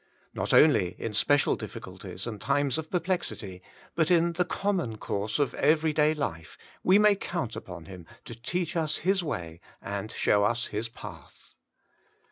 Not only in special difBculties and times of perplexity, but in the common course of everyday life, we may count upon Him to teach us His w&j, and show us His path.